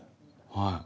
はい。